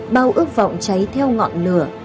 bao ước vọng cháy theo ngọn lửa